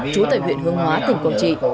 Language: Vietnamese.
trú tại huyện hương hóa tỉnh quảng trị